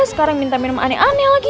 sekarang minta minum aneh aneh lagi